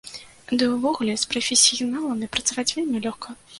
Ды і ўвогуле, з прафесіяналамі працаваць вельмі лёгка.